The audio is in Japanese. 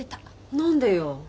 何でよ？